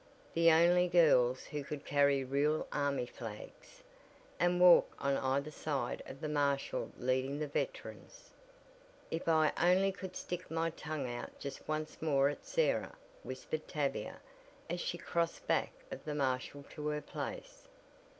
The only girls who could carry real army flags! And walk on either side of the marshal leading the Veterans! "If I only could stick my tongue out just once more at Sarah," whispered Tavia, as she crossed back of the marshal to her place.